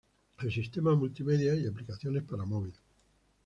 El sistema multimedia y aplicaciones para móvil.